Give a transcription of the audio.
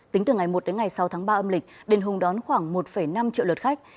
tính từ ngày một đến ngày sáu tháng ba âm lịch đền hùng đón khoảng một năm triệu lượt khách